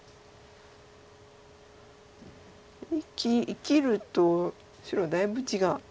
生きると白だいぶ違う。